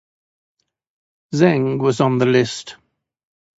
Zheng was on the list.